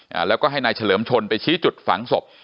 อ่าแล้วก็ให้นายเฉลิมชนไปชี้จุดฝังศพ